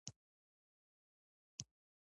لکه د ایران خلکو غوندې.